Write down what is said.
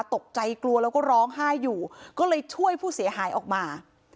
ตกใจกลัวแล้วก็ร้องไห้อยู่ก็เลยช่วยผู้เสียหายออกมา